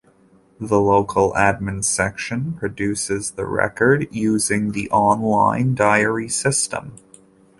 The local admin section produces the record using the on-line diary system.